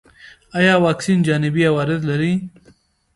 ایا واکسین جانبي عوارض لري؟